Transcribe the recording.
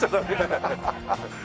ハハハハ。